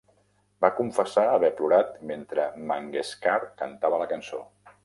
Va confessar haver plorat mentre Mangeshkar cantava la cançó.